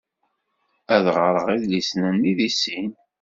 Ad ɣreɣ idlisen-nni deg sin.